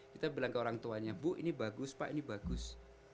kita bilang ke orang tuanya bu ini bagus pak ini bagus